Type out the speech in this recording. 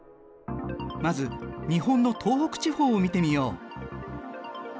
まず日本の東北地方を見てみよう。